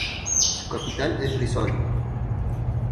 Su capital es Brístol.